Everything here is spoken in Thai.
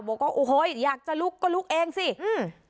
บอกว่าโอ้โหอยากจะลุกก็ลุกเองสิอืม